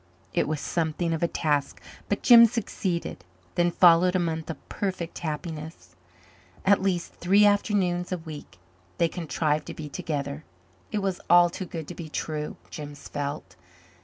It was something of a task but Jims succeeded. Then followed a month of perfect happiness. At least three afternoons a week they contrived to be together. It was all too good to be true, Jims felt.